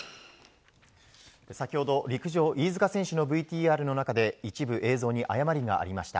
先ほど陸上飯塚選手のＶＴＲの中で一部、映像に誤りがありました。